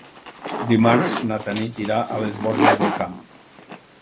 Dimarts na Tanit irà a les Borges del Camp.